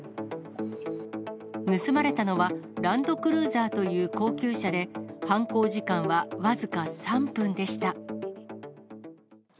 盗まれたのは、ランドクルーザーという高級車で、犯行時間は僅か３分でした。